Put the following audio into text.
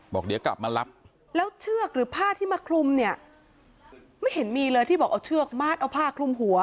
บอกเดี๋ยวกลับมารับแล้วเชือกหรือผ้าที่มาคลุมเนี่ยไม่เห็นมีเลยที่บอกเอาเชือกมัดเอาผ้าคลุมหัว